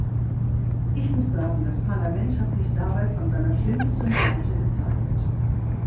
Ich muss sagen, das Parlament hat sich dabei von seiner schlimmsten Seite gezeigt.